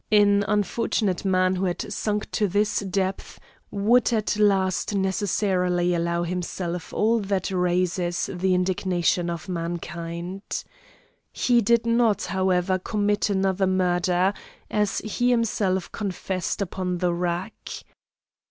An unfortunate man who had sunk to this depth, would at last necessarily allow himself all that raises the indignation of mankind. He did not, however, commit another murder, as he himself confessed upon the rack.